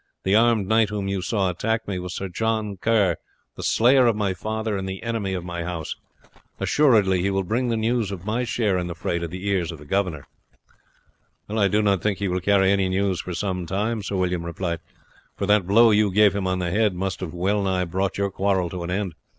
"The armed knight whom you saw attack me was Sir John Kerr, the slayer of my father and the enemy of my house. Assuredly he will bring the news of my share in the fray to the ears of the governor." "I do not think that he will carry any news for some time," Sir William replied; "for that blow you gave him on the head must have well nigh brought your quarrel to an end.